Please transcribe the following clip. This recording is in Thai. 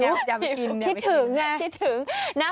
อยากไปกินอยากไปกินคิดถึงไงคิดถึง